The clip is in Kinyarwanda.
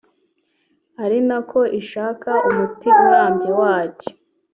ari nako ishaka umuti urambye wacyo